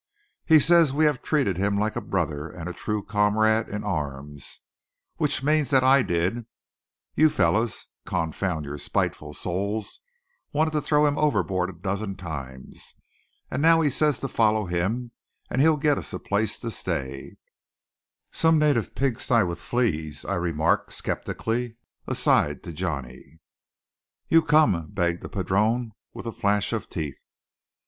"He says we have treated him like a brother and a true comrade in arms; which means that I did; you fellows, confound your spiteful souls, wanted to throw him overboard a dozen times. And now he says to follow him, and he'll get us a place to stay." "Some native pig sty with fleas," I remarked skeptically, aside, to Johnny. "You com'," begged the padrone, with a flash of teeth.